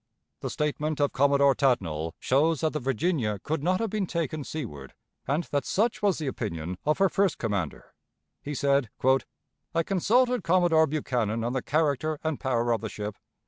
The statement of Commodore Tatnall shows that the Virginia could not have been taken seaward, and that such was the opinion of her first commander. He said: "I consulted Commodore Buchanan on the character and power of the ship.